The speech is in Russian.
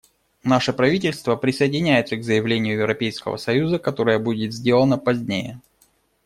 Наше правительство присоединяется к заявлению Европейского союза, которое будет сделано позднее.